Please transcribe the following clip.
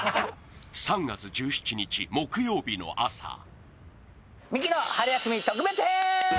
３月１７日木曜日の朝。